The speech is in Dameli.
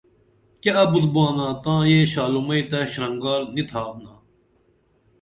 کیہ ابُت بانا تاں یہ شالُومئی تہ شرنگار نی تھانا